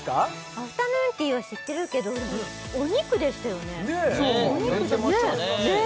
アフタヌーンティーは知ってるけどでもお肉でしたよねねえ焼いてましたね